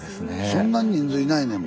そんな人数いないのに。